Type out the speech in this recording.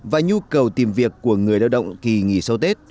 và nhu cầu tìm việc của người lao động kỳ nghỉ sau tết